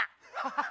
ハハハ！